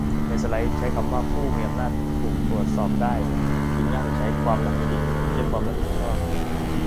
ในสไลด์ใช้คำว่า 'ผู้มีอำนาจถูกตรวจสอบได้' จึงน่าจะใช้ 'ความรับผิด' ไม่ใช่ 'ความรับผิดชอบ'